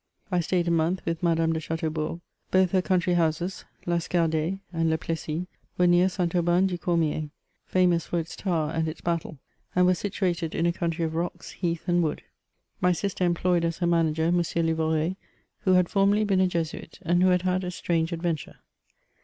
I stayed a month with Madame de Chateaubourg. Both her country houses, Lascardais and Le Plessis, were near Saint Aubin du Cormier, famous for its tower and its battle, and were situated in a country of rocks, heath, and wood. My sister employed as her manager M. Livoret, who had formerly been a Jesuit, and who had had a strange adventure.